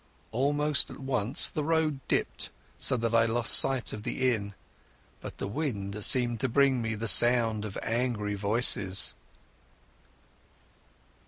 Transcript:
Almost at once the road dipped so that I lost sight of the inn, but the wind seemed to bring me the sound of angry voices.